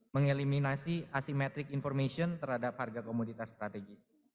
mengeliminasi asimetric information terhadap harga komoditas strategis